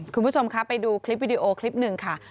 คุณผู้ชมคะไปดูคลิปวิดีโอคลิปหนึ่งค่ะ